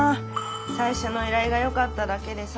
最初の依頼がよかっただけでさ。